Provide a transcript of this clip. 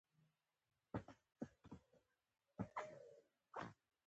د احمدشاه بابا خدمتونه د ستايني وړ دي.